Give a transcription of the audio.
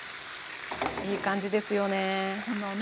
いい感じですよね。